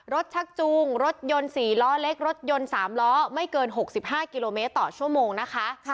ชักจูงรถยนต์๔ล้อเล็กรถยนต์๓ล้อไม่เกิน๖๕กิโลเมตรต่อชั่วโมงนะคะ